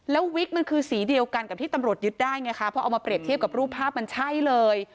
แล้ววิกมันคือสีเดียวกันกับที่ตำรวจยึดได้ไงคะพอเอามาเปรียบเทียบกับรูปภาพมันใช่เลย